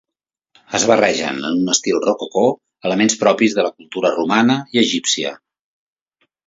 Es barregen en un estil rococó elements propis de la cultura romana i egípcia.